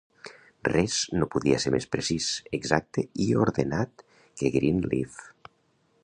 Res no podia ser més precís, exacte i ordenat que Greenleaf.